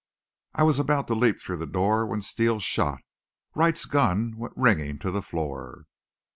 I was about to leap through the door when Steele shot. Wright's gun went ringing to the floor.